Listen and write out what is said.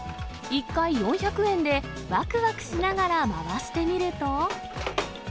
１回４００円で、わくわくしながら回してみると。